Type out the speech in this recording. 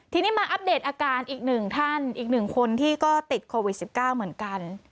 ทีนี้มาอัปเดตอาการอีกหนึ่งท่านอีกหนึ่งคนที่ก็ติดโควิด๑๙เหมือนกัน